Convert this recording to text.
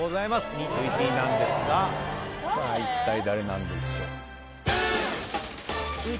２位と１位なんですがさあ一体誰なんでしょう？